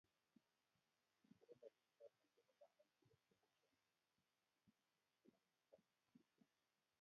nderefaishek choto chebo banda ne loo cheu cho ibee tuguk kongete Kericho agoi mombasa